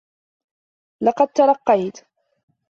لقد ترقيت